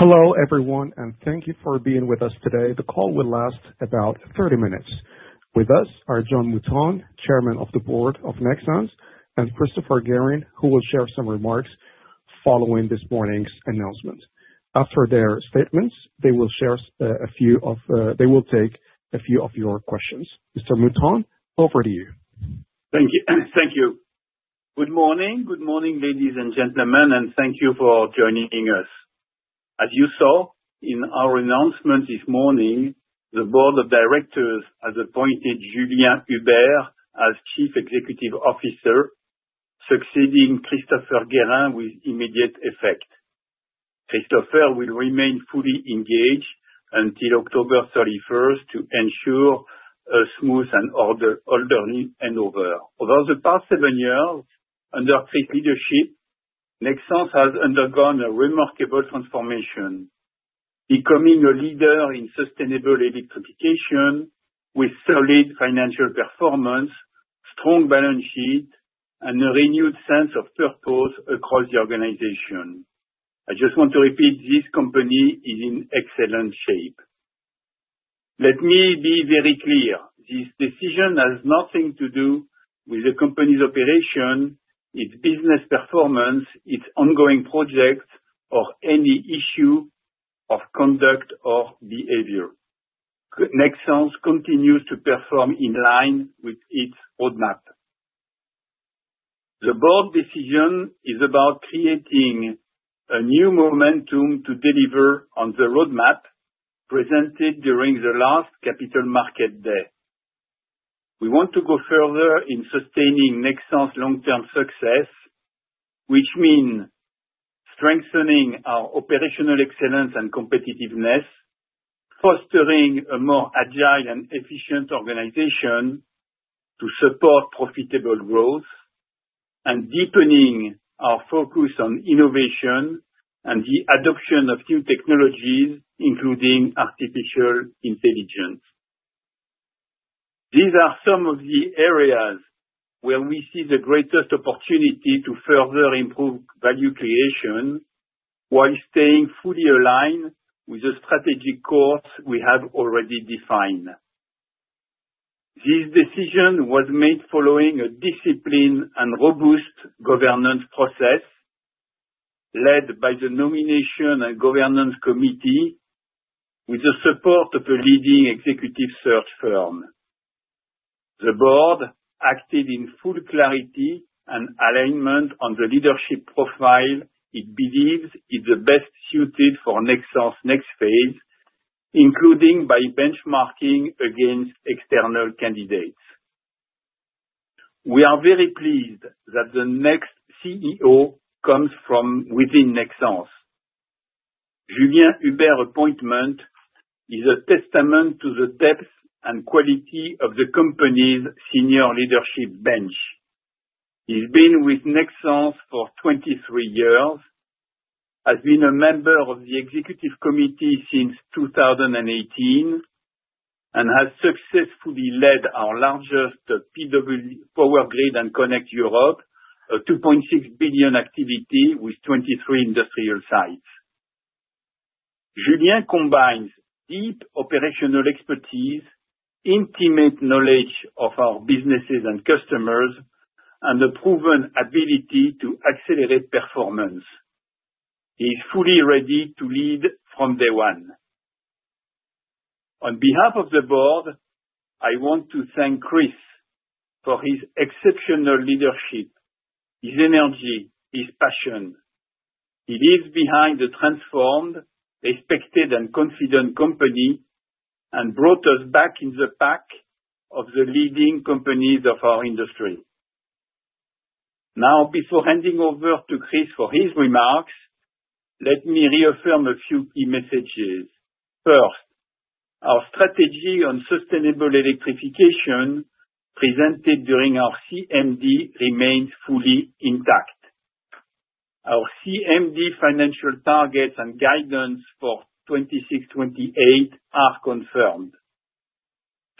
Hello, everyone, and thank you for being with us today. The call will last about 30 minutes. With us are Jean Mouton, Chairman of the Board of Nexans, and Christopher Guérin, who will share some remarks following this morning's announcement. After their statements, they will take a few of your questions. Mr. Mouton, over to you. Thank you, thank you. Good morning. Good morning, ladies and gentlemen, and thank you for joining us. As you saw in our announcement this morning, the board of directors has appointed Julien Hueber as Chief Executive Officer, succeeding Christopher Guérin with immediate effect. Christopher will remain fully engaged until October 31st to ensure a smooth and orderly handover. Over the past seven years, under Chris' leadership, Nexans has undergone a remarkable transformation, becoming a leader in sustainable electrification with solid financial performance, strong balance sheet, and a renewed sense of purpose across the organization. I just want to repeat, this company is in excellent shape. Let me be very clear. This decision has nothing to do with the company's operation, its business performance, its ongoing projects, or any issue of conduct or behavior. Nexans continues to perform in line with its roadmap. The board decision is about creating a new momentum to deliver on the roadmap presented during the last Capital Market Day. We want to go further in sustaining Nexans' long-term success, which mean strengthening our operational excellence and competitiveness, fostering a more agile and efficient organization to support profitable growth, and deepening our focus on innovation and the adoption of new technologies, including artificial intelligence. These are some of the areas where we see the greatest opportunity to further improve value creation while staying fully aligned with the strategic course we have already defined. This decision was made following a disciplined and robust governance process led by the Nomination and Governance Committee, with the support of a leading executive search firm. The board acted in full clarity and alignment on the leadership profile it believes is the best suited for Nexans' next phase, including by benchmarking against external candidates. We are very pleased that the next CEO comes from within Nexans. Julien Hueber appointment is a testament to the depth and quality of the company's senior leadership bench. He's been with Nexans for 23 years, has been a member of the executive committee since 2018, and has successfully led our largest Power Grid & Connect Europe, a 2.6 billion activity with 23 industrial sites. Julien combines deep operational expertise, intimate knowledge of our businesses and customers, and a proven ability to accelerate performance. He is fully ready to lead from day one. On behalf of the board, I want to thank Chris for his exceptional leadership, his energy, his passion. He leaves behind a transformed, respected, and confident company, and brought us back in the pack of the leading companies of our industry. Now, before handing over to Chris for his remarks, let me reaffirm a few key messages. First, our strategy on sustainable electrification presented during our CMD remains fully intact. Our CMD financial targets and guidance for 2026, 2028 are confirmed.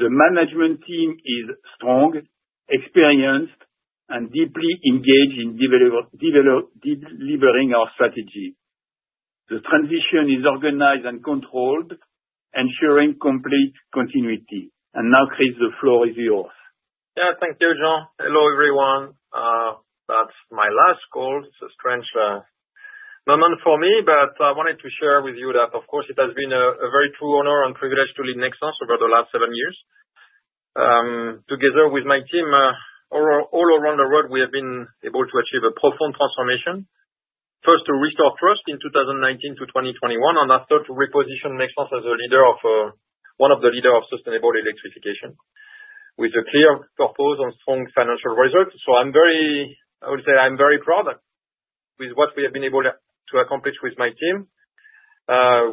The management team is strong, experienced, and deeply engaged in delivering our strategy. The transition is organized and controlled, ensuring complete continuity. And now, Chris, the floor is yours. Yeah, thank you, Jean. Hello, everyone. That's my last call. It's a strange moment for me, but I wanted to share with you that, of course, it has been a very true honor and privilege to lead Nexans over the last 7 years. Together with my team, all around the world, we have been able to achieve a profound transformation. First, to restore trust in 2019 to 2021, and after, to reposition Nexans as a leader of, one of the leaders of Sustainable Electrification, with a clear purpose on strong financial results. So I'm very, I would say I'm very proud of with what we have been able to accomplish with my team.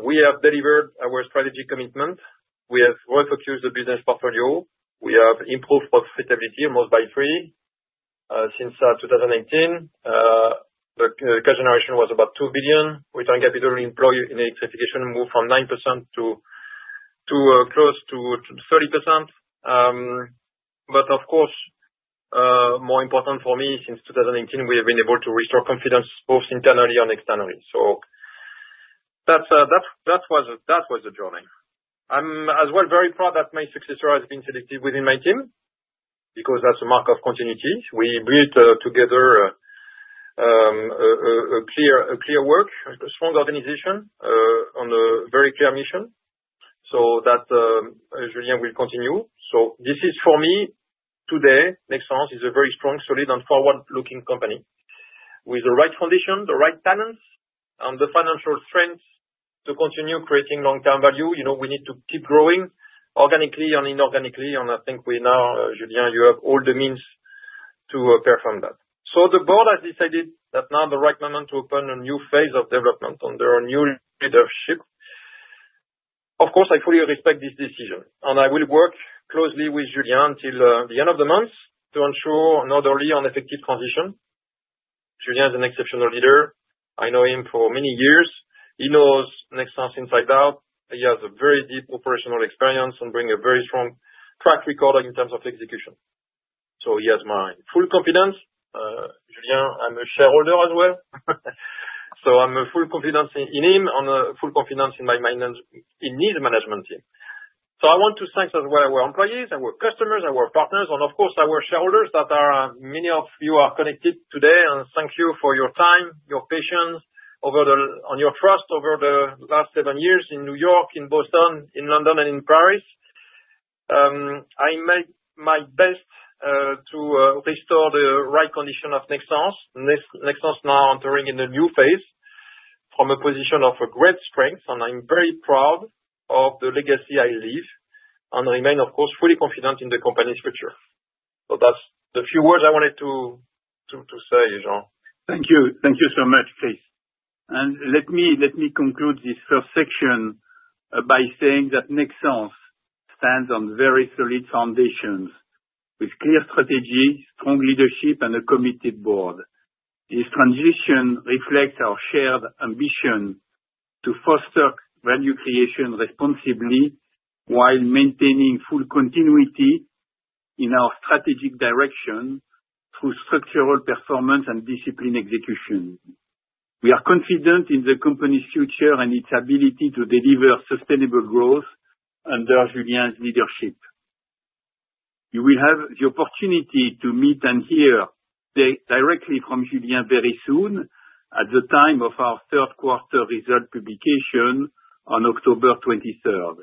We have delivered our strategy commitment. We have refocused the business portfolio. We have improved profitability, almost by 3. Since 2018, the cash generation was about 2 billion, Return on Capital Employed in electrification moved from 9% to close to 30%. But of course, more important for me, since 2018, we have been able to restore confidence both internally and externally. So that's that was the journey. I'm as well very proud that my successor has been selected within my team, because that's a mark of continuity. We built together a clear workforce, a strong organization on a very clear mission, so that Julien will continue. So this is for me, today, Nexans is a very strong, solid, and forward-looking company with the right foundation, the right talents, and the financial strength to continue creating long-term value. You know, we need to keep growing organically and inorganically, and I think we now, Julien, you have all the means to perform that. So the board has decided that now is the right moment to open a new phase of development under a new leadership. Of course, I fully respect this decision, and I will work closely with Julien till the end of the month, to ensure an orderly and effective transition. Julien is an exceptional leader. I know him for many years. He knows Nexans inside out. He has a very deep operational experience and bring a very strong track record in terms of execution. So he has my full confidence. Julien, I'm a shareholder as well, so I have full confidence in him and full confidence in his management team. So I want to thank as well our employees, our customers, our partners, and of course, our shareholders, that are, many of you are connected today, and thank you for your time, your patience over on your trust over the last seven years in New York, in Boston, in London, and in Paris. I make my best to restore the right condition of Nexans. Nexans now entering in a new phase from a position of a great strength, and I'm very proud of the legacy I leave, and remain, of course, fully confident in the company's future. So that's the few words I wanted to say, Jean. Thank you. Thank you so much, Chris. Let me, let me conclude this first section by saying that Nexans stands on very solid foundations, with clear strategy, strong leadership, and a committed board. This transition reflects our shared ambition to foster value creation responsibly while maintaining full continuity in our strategic direction through structural performance and discipline execution. We are confident in the company's future and its ability to deliver sustainable growth under Julien's leadership. You will have the opportunity to meet and hear directly from Julien very soon, at the time of our Q3 result publication on October 23rd.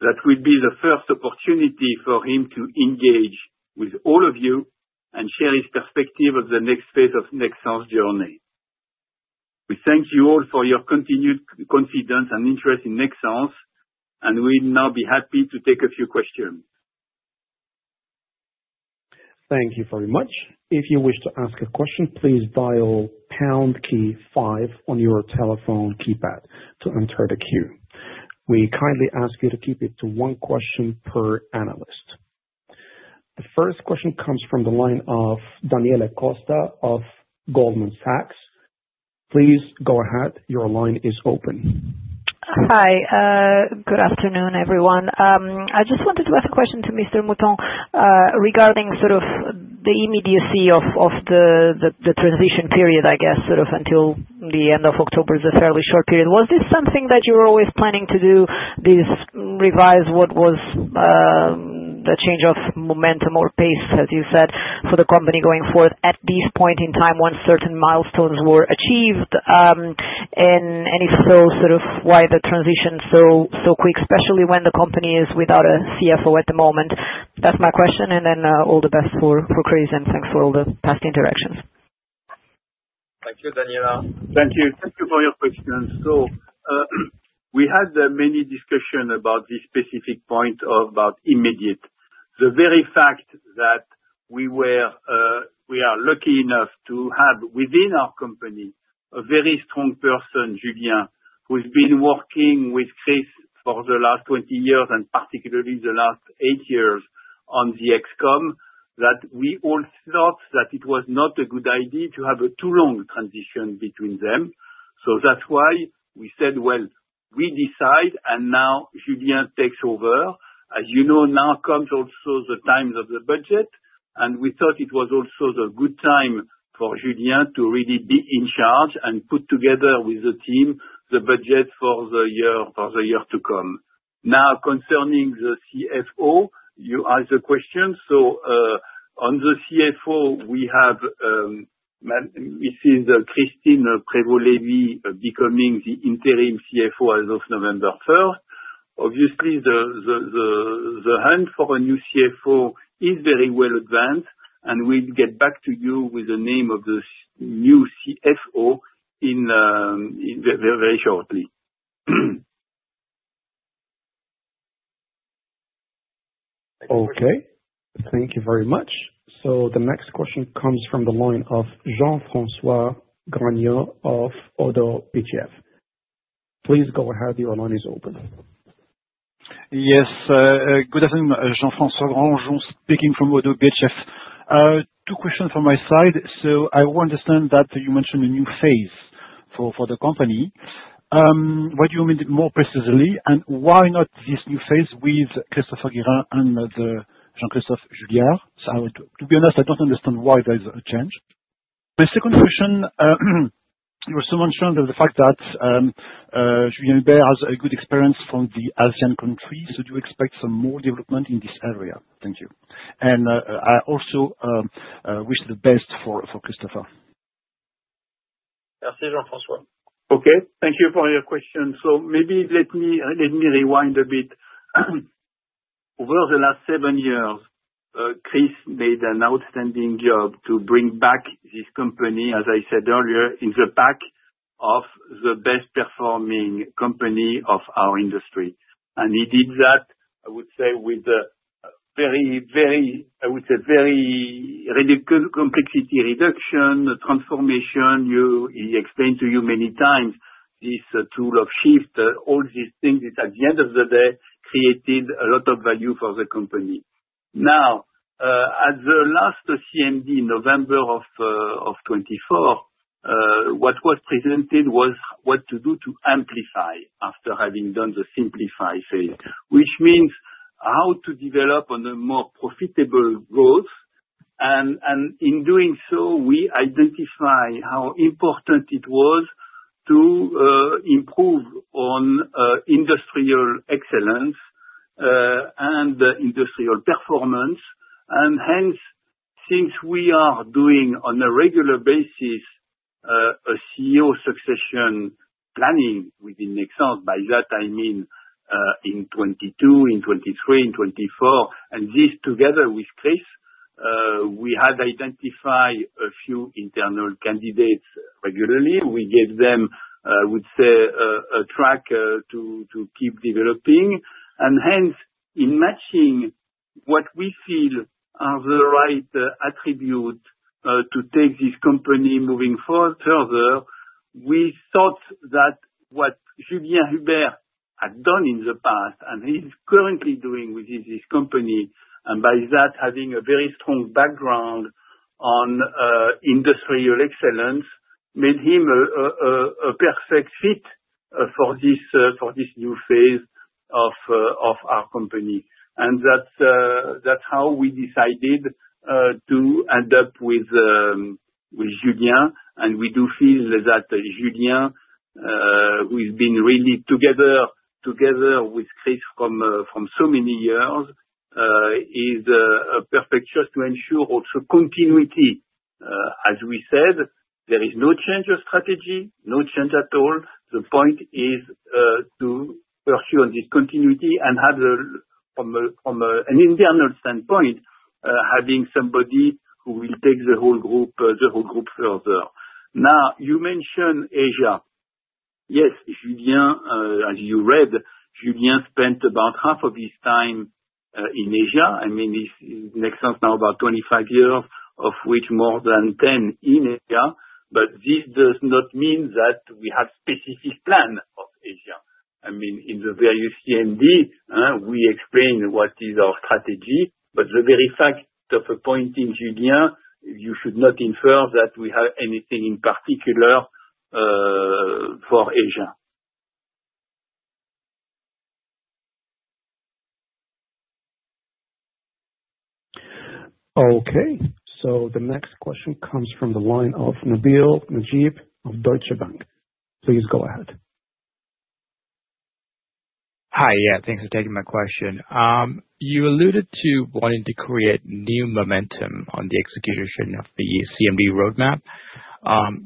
That will be the first opportunity for him to engage with all of you and share his perspective of the next phase of Nexans' journey. We thank you all for your continued confidence and interest in Nexans, and we'd now be happy to take a few questions. Thank you very much. If you wish to ask a question, please dial pound key five on your telephone keypad to enter the queue. We kindly ask you to keep it to one question per analyst. The first question comes from the line of Daniela Costa of Goldman Sachs. Please go ahead, your line is open. Hi, good afternoon, everyone. I just wanted to ask a question to Mr. Mouton, regarding sort of the immediacy of the transition period, I guess, sort of until the end of October is a fairly short period. Was this something that you were always planning to do, this revise, what was the change of momentum or pace, as you said, for the company going forward at this point in time, once certain milestones were achieved? And if so, sort of why the transition so quick, especially when the company is without a CFO at the moment? That's my question, and then all the best for Chris, and thanks for all the past interactions. Thank you, Daniela. Thank you. Thank you for your question. So, we had many discussion about this specific point about immediate. The very fact that we were, we are lucky enough to have within our company, a very strong person, Julien, who has been working with Chris for the last 20 years and particularly the last 8 years on the ExCom, that we all thought that it was not a good idea to have a too long transition between them. So that's why we said, "Well, we decide," and now Julien takes over. As you know, now comes also the times of the budget, and we thought it was also the good time for Julien to really be in charge and put together with the team, the budget for the year, for the year to come. Now, concerning the CFO, you asked a question. On the CFO, we see Christine Pévol becoming the interim CFO as of November first. Obviously, the hunt for a new CFO is very well advanced, and we'll get back to you with the name of the new CFO in very, very shortly. Okay, thank you very much. So the next question comes from the line of Jean-François Granjon of Oddo BHF. Please go ahead, your line is open. Yes, good afternoon, Jean-François Granjon, speaking from Oddo BHF. Two questions from my side: so I understand that you mentioned a new phase for the company. What do you mean more precisely, and why not this new phase with Christopher Guérin and the Jean-Christophe Juillard? So, to be honest, I don't understand why there is a change. The second question, someone mentioned the fact that Julien Hueber has a good experience from the Asian country, so do you expect some more development in this area? Thank you. And, I also wish the best for Christopher. Okay, thank you for your question. So maybe let me let me rewind a bit. Over the last seven years, Chris made an outstanding job to bring back this company, as I said earlier, in the back of the best performing company of our industry. And he did that, I would say, with a very, very, I would say, very complexity reduction, transformation, he explained to you many times, this tool of SHIFT, all these things, that at the end of the day, created a lot of value for the company. Now, at the last CMD, in November of 2024, what was presented was what to do to amplify, after having done the simplify phase. Which means how to develop on a more profitable growth, and in doing so, we identify how important it was to improve on industrial excellence and industrial performance. And hence, since we are doing on a regular basis a CEO succession planning within Nexans, by that I mean, in 2022, in 2023, in 2024, and this together with Chris, we had identified a few internal candidates regularly. We gave them, I would say, a track to keep developing. And hence, in matching what we feel are the right attribute to take this company moving further, we thought that what Julien Hueber had done in the past, and he's currently doing within this company, and by that, having a very strong background on industrial excellence, made him a perfect fit for this new phase of our company. And that's how we decided to end up with Julien. And we do feel that Julien, who's been really together with Chris from so many years, is a perfect chance to ensure also continuity. As we said, there is no change of strategy, no change at all. The point is, to pursue on this continuity and have a, from an internal standpoint, having somebody who will take the whole group, the whole group further. Now, you mentioned Asia. Yes, Julien, as you read, Julien spent about half of his time, in Asia. I mean, he's Nexans now about 25 years, of which more than 10 in Asia, but this does not mean that we have specific plan of Asia. I mean, in the very CMD, we explained what is our strategy, but the very fact of appointing Julien, you should not infer that we have anything in particular, for Asia. Okay, so the next question comes from the line of Nabil Najeeb of Deutsche Bank. Please go ahead. Hi, yeah. Thanks for taking my question. You alluded to wanting to create new momentum on the execution of the CMD roadmap.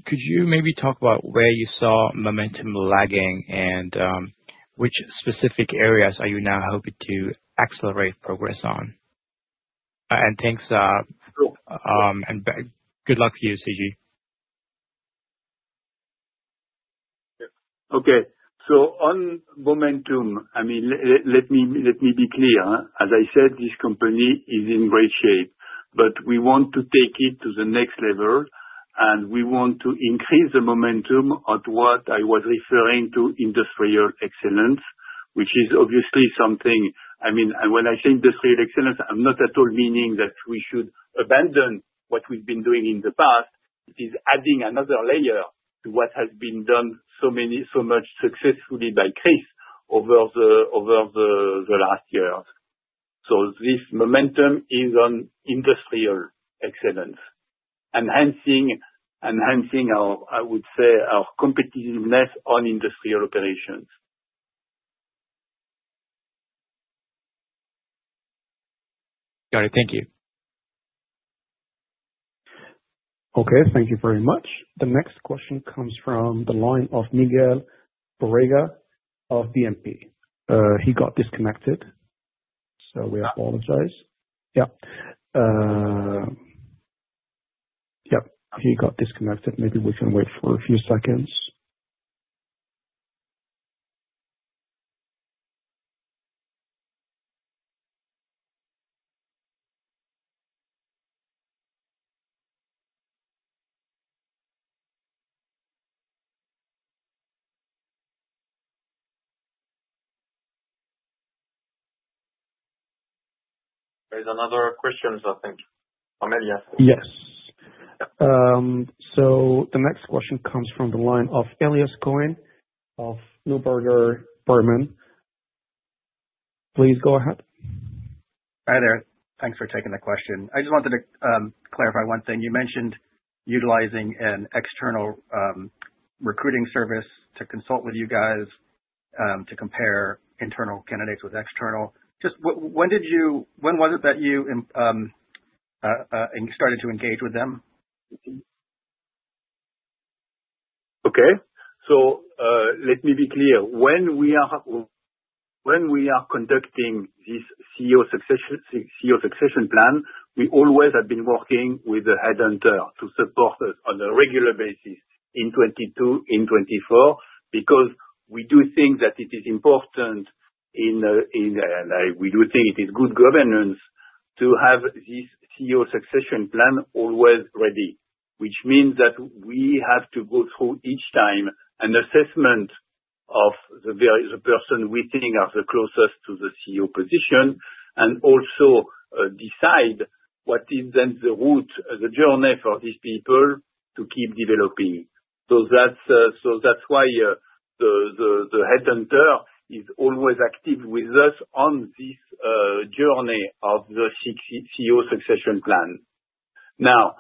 Could you maybe talk about where you saw momentum lagging, and which specific areas are you now hoping to accelerate progress on? And thanks, Sure. Good luck to you, CG. Okay. So on momentum, I mean, let me be clear. As I said, this company is in great shape, but we want to take it to the next level, and we want to increase the momentum on what I was referring to industrial excellence, which is obviously something... I mean, and when I say industrial excellence, I'm not at all meaning that we should abandon what we've been doing in the past. It is adding another layer to what has been done so much successfully by Chris over the last years. So this momentum is on industrial excellence, enhancing our, I would say, our competitiveness on industrial operations. Got it. Thank you. Okay, thank you very much. The next question comes from the line of Miguel Borrega of BNP. He got disconnected, so we apologize. Yep, he got disconnected. Maybe we can wait for a few seconds. There's another question, I think, Amelia? Yes. The next question comes from the line of Elias Cohen, of Neuberger Berman. Please go ahead. Hi there, thanks for taking the question. I just wanted to clarify one thing: You mentioned utilizing an external recruiting service to consult with you guys to compare internal candidates with external. Just when was it that you started to engage with them? Okay. So, let me be clear. When we are conducting this CEO succession, CEO succession plan, we always have been working with the headhunter to support us on a regular basis, in 2022, in 2024, because we do think that it is important, like, we do think it is good governance to have this CEO succession plan always ready. Which means that we have to go through, each time, an assessment of the various person we think are the closest to the CEO position, and also, decide what is then the route, the journey for these people to keep developing. So that's why the headhunter is always active with us on this journey of the CEO succession plan. Now,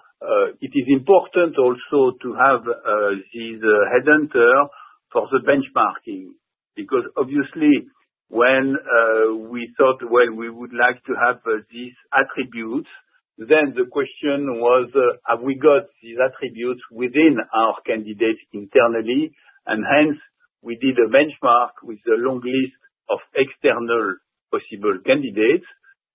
it is important also to have this headhunter for the benchmarking, because obviously when we thought, well, we would like to have this attribute, then the question was, have we got these attributes within our candidates internally? And hence, we did a benchmark with a long list of external possible candidates,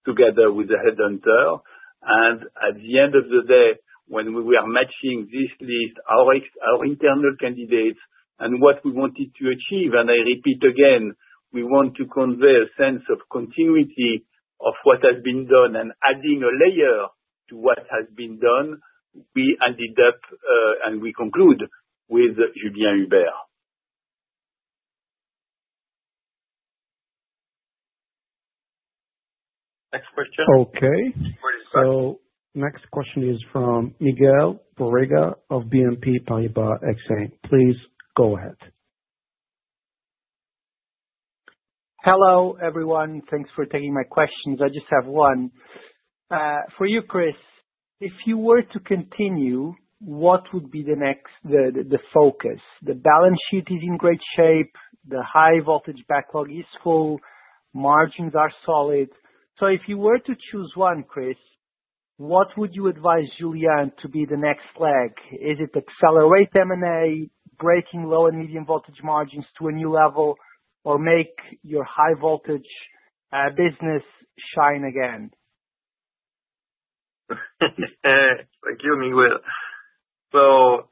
together with the headhunter, and at the end of the day, when we are matching this list, our internal candidates, and what we wanted to achieve, and I repeat again, we want to convey a sense of continuity of what has been done, and adding a layer to what has been done, we ended up, and we conclude with Julien Hueber. Next question? Okay. Please go. Next question is from Miguel Borrega of BNP Paribas Exane. Please go ahead. Hello, everyone. Thanks for taking my questions. I just have one. For you, Chris, if you were to continue, what would be the next focus? The balance sheet is in great shape, the high voltage backlog is full, margins are solid. So if you were to choose one, Chris, what would you advise Julien to be the next flag? Is it accelerate M&A, breaking low and medium voltage margins to a new level, or make your high voltage business shine again? Thank you, Miguel. So,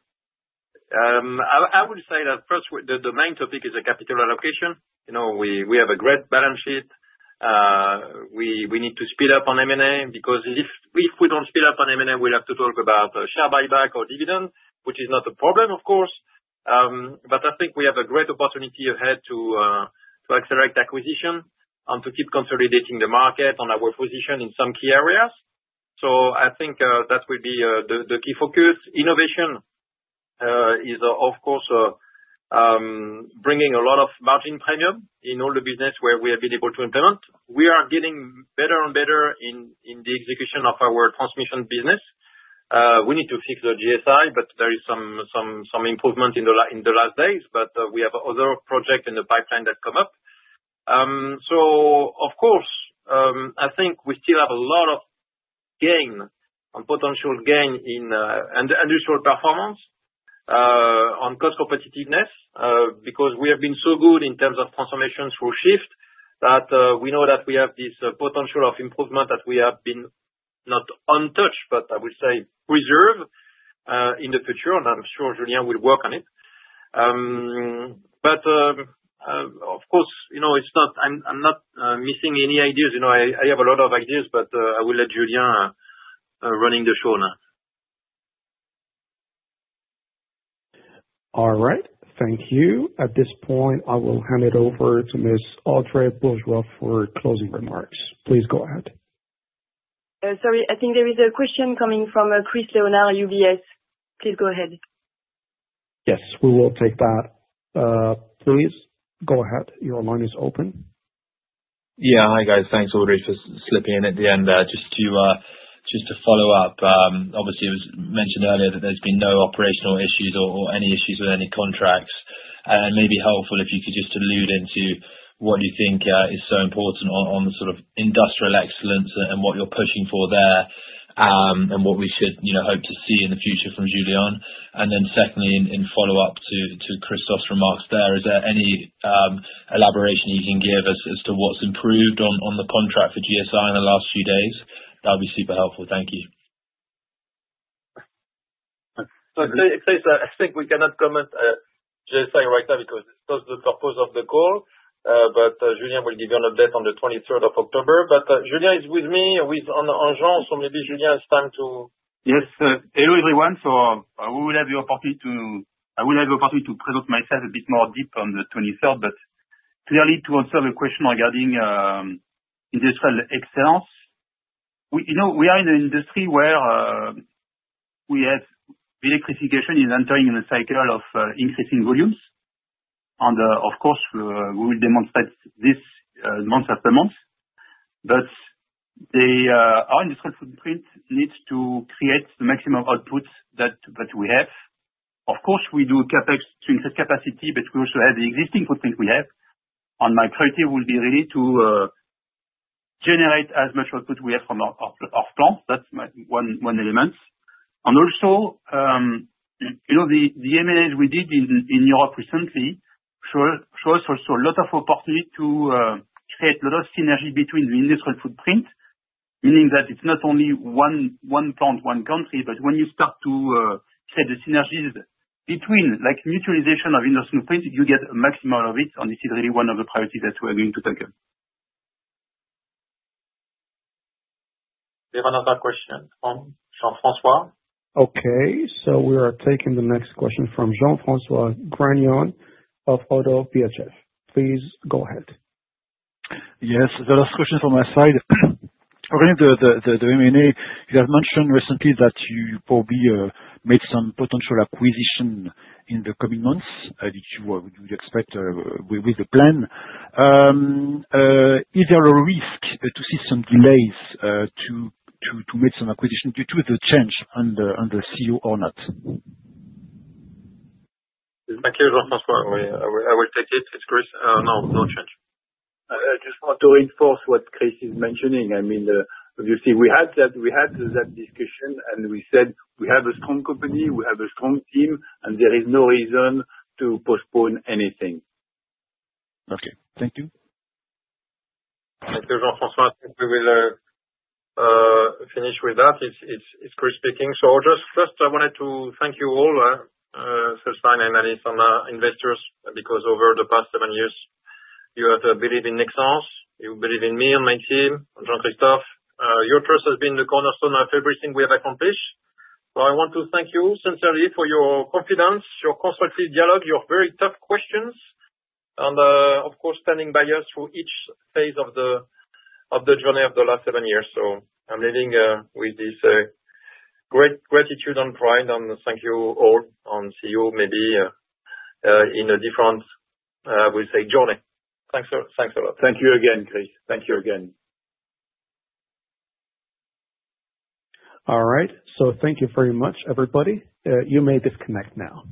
I would say that first the main topic is the capital allocation. You know, we have a great balance sheet. We need to speed up on M&A, because if we don't speed up on M&A, we'll have to talk about share buyback or dividend, which is not a problem, of course, but I think we have a great opportunity ahead to accelerate acquisition, and to keep consolidating the market on our position in some key areas. So I think that will be the key focus. Innovation is of course bringing a lot of margin premium in all the business where we have been able to implement. We are getting better and better in the execution of our transmission business. We need to fix the GSI, but there is some improvement in the last days, but we have other project in the pipeline that come up. So of course, I think we still have a lot of gain, and potential gain in the industrial performance on cost competitiveness, because we have been so good in terms of transformation through SHIFT, that we know that we have this potential of improvement, that we have been not untouched, but I would say reserve in the future, and I'm sure Julien will work on it. But of course, you know, it's not. I'm not missing any ideas, you know, I have a lot of ideas, but I will let Julien running the show now. All right. Thank you. At this point, I will hand it over to Ms. Audrey Bourgeois, for closing remarks. Please go ahead. Sorry, I think there is a question coming from Chris Leonard, UBS. Please go ahead. Yes, we will take that. Please go ahead. Your line is open. Yeah. Hi, guys. Thanks, Audrey, for slipping in at the end there. Just to follow up, obviously it was mentioned earlier that there's been no operational issues or any issues with any contracts, and it may be helpful if you could just allude to what you think is so important on the sort of industrial excellence, and what you're pushing for there, and what we should, you know, hope to see in the future from Julien. And then secondly, in follow-up to Christopher's remarks there, is there any elaboration you can give as to what's improved on the contract for GSI in the last few days? That would be super helpful. Thank you. So Chris, I think we cannot comment on GSI right now, because it's not the purpose of the call, but Julien will give you an update on the 23rd of October. But Julien is with me on the line, so maybe Julien, it's time to- Yes, hello, everyone. So I will have the opportunity to, I will have the opportunity to present myself a bit more deep on the 23rd, but clearly, to answer the question regarding industrial excellence, we, you know, we are in an industry where we have electrification is entering in a cycle of increasing volumes. And, of course, we will demonstrate this month after month. But our industrial footprint needs to create the maximum outputs that we have. Of course, we do CapEx to increase capacity, but we also have the existing footprint we have, and my priority will be really to generate as much output we have from our plant. That's my one element. And also, you know, the M&A we did in Europe recently shows also a lot of opportunity to create a lot of synergy between the industrial footprint, meaning that it's not only one plant, one country, but when you start to create the synergies between, like, mutualization of industrial footprint, you get a maximum of it, and this is really one of the priorities that we are going to take on. We have another question from Jean-François. Okay, so we are taking the next question from Jean-François Granjon of Oddo BHF. Please go ahead. Yes, the last question from my side. During the M&A, you have mentioned recently that you probably made some potential acquisition in the coming months, which you would expect with the plan. Is there a risk to see some delays to make some acquisitions due to the change on the CEO or not? Thank you, Jean-François. I will take it. It's Chris. No change. I just want to reinforce what Chris is mentioning. I mean, obviously we had that, we had that discussion, and we said we have a strong company, we have a strong team, and there is no reason to postpone anything. Okay. Thank you. Thank you, Jean-François. We will finish with that. It's Chris speaking. So just first, I wanted to thank you all for staying in on this, on our investors, because over the past seven years, you have believed in Nexans, you believe in me and my team, Jean-Christophe. Your trust has been the cornerstone of everything we have accomplished. So I want to thank you sincerely for your confidence, your constructive dialogue, your very tough questions, and, of course, standing by us through each phase of the journey of the last seven years. So I'm leaving with this great gratitude and pride, and thank you all, and see you maybe in a different, we say, journey. Thanks a lot. Thank you again, Chris. Thank you again. All right, so thank you very much, everybody. You may disconnect now.